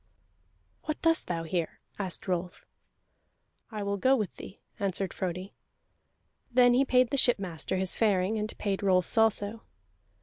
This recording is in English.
"What dost thou here?" asked Rolf. "I will go with thee," answered Frodi. Then he paid the shipmaster his faring, and paid Rolf's also.